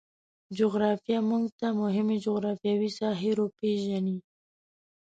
جغرافیه موږ ته مهمې جغرفیاوې ساحې روپیژني